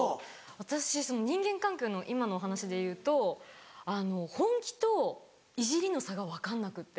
私その人間関係の今のお話でいうと本気とイジリの差が分かんなくて。